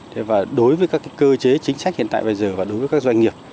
thế và đối với các cơ chế chính sách hiện tại bây giờ và đối với các doanh nghiệp